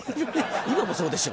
今もそうでしょ？